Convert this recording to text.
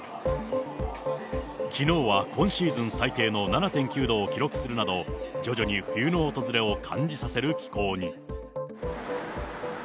きのうは今シーズン最低の７．９度を記録するなど、徐々に冬の訪れを感じさせる気候に。